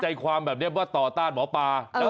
ใจความแบบนี้ว่าต่อต้านหมอปลา